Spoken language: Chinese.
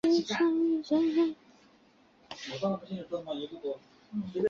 此列表基本上列出各国宪法所表明的政体。